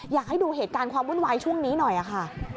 อยากให้ดูเหตุการณ์ความวุ่นวายช่วงนี้หน่อยค่ะ